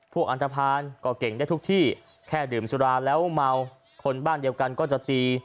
อันตภัณฑ์ก็เก่งได้ทุกที่แค่ดื่มสุราแล้วเมาคนบ้านเดียวกันก็จะตี